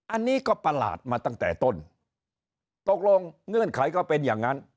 อันนี้ก็ประหลาดมาตั้งแต่ต้นตกลงเงื่อนไขก็เป็นอย่างนั้น